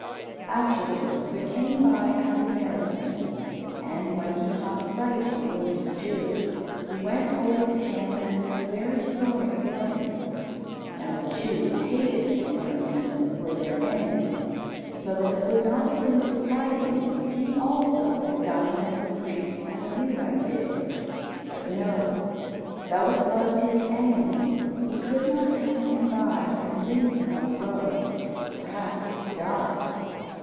Afterwards there came by a Samaritan, and, when he caught sight of the wounded Jew, he went over to him and was very sorry for him. Now the Jews hated the Samaritans, and were their enemies, so that it would not have been surprising if he, also, had done as the priest and the Levite did. But, no! Though it was his enemy, he could not pass him by and leave him on the road, perhaps to die.